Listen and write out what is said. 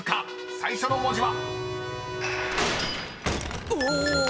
最初の文字は］